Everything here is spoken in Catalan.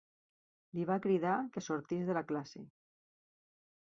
Li va cridar que sortís de la classe.